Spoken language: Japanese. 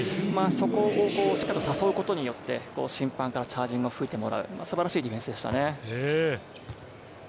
そこをしっかりと誘うことによって審判からチャージングを吹いてもらう、素晴らしいディフェンスでしたね。